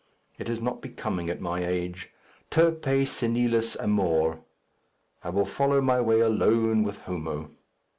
It is not becoming at my age. Turpe senilis amor. I will follow my way alone with Homo.